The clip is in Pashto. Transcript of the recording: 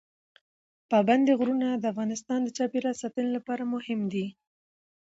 پابندی غرونه د افغانستان د چاپیریال ساتنې لپاره مهم دي.